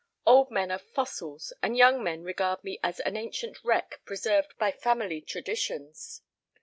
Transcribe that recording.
Old men are fossils and young men regard me as an ancient wreck preserved by family traditions.